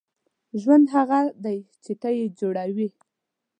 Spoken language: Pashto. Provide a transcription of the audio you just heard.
• ژوند هغه دی چې ته یې جوړوې.